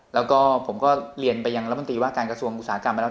แล้วก็ผมก็เรียนไปยังรัฐมนตรีว่าการกระทรวงอุตสาหกรรมไปแล้ว